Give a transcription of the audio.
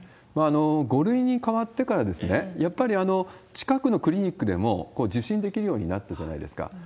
５類に変わってから、やっぱり近くのクリニックでも受診できるようになったじゃないですか。